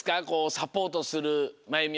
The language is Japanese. サポートするまゆみ